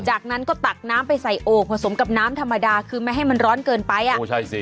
จากนั้นก็ตักน้ำไปใส่โอ่งผสมกับน้ำธรรมดาคือไม่ให้มันร้อนเกินไปอ่ะโอ้ใช่สิ